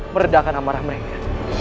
meredakan amarah mereka